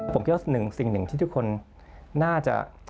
ผมคิดว่าสิ่งหนึ่งที่ทุกคนน่าจะ